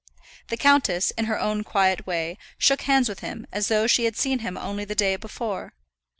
The countess, in her own quiet way, shook hands with him as though she had seen him only the day before.